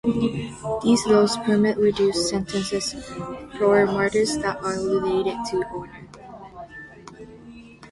These laws permit reduced sentences for murders that are "related to honour".